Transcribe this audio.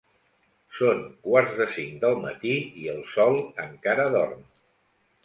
Són quarts de cinc del matí i el sol encara dorm.